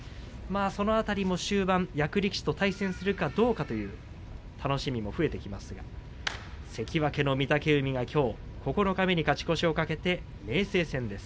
その辺りも終盤役力士と対戦するかどうかという楽しみも増えてきますが関脇の御嶽海がきょう九日目に勝ち越しを懸けて明生戦です。